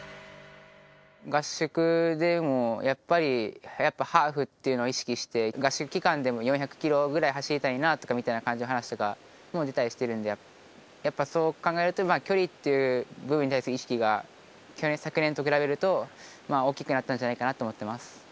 合宿でも、やっぱりハーフっていうのを意識して、合宿期間でも４００キロぐらい走りたいなとかみたいな感じの話とかもしてるんで、やっぱそう考えると、距離っていう部分に対しては意識が、昨年と比べると大きくなったんじゃないかなと思ってます。